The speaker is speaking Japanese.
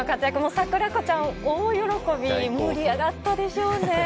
桜子ちゃん大喜び盛り上がったでしょうね！